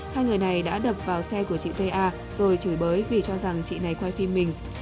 hai người này đã đập vào xe của chị ta rồi chửi bới vì cho rằng chị này quay phim mình